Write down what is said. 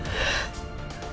dia nggak butuh pangeran